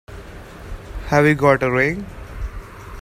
Have you got a ring?